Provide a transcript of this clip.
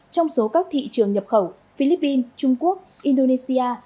trong số các thị trường nhập khẩu philippines trung quốc indonesia